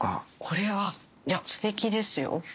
これはいやステキですよ。